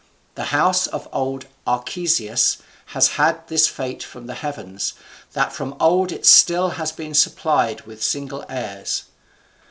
The house of old Arcesius has had this fate from the heavens, that from old it still has been supplied with single heirs.